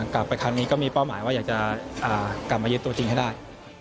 กลับไปครั้งนี้ก็มีเป้าหมายว่าอยากจะกลับมายึดตัวจริงให้ได้